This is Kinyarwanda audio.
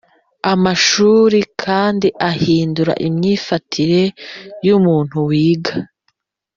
Amashuri kandi ahindura imyifatire yu muntu wiga